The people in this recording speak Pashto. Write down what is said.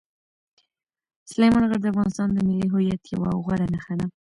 سلیمان غر د افغانستان د ملي هویت یوه غوره نښه ده.